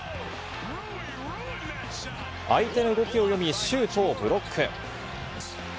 相手の動きを読み、シュートをブロック。